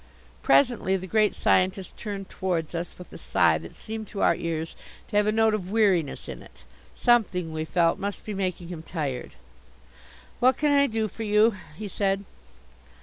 Presently the Great Scientist turned towards us with a sigh that seemed to our ears to have a note of weariness in it. Something, we felt, must be making him tired. "What can I do for you?" he said.